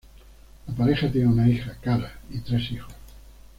La pareja tiene una hija, Cara, y tres hijos.